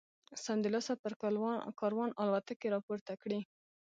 سمدلاسه پر کاروان الوتکې را پورته کړي.